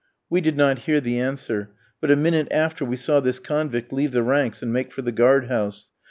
We did not hear the answer; but a minute after we saw this convict leave the ranks and make for the guard house.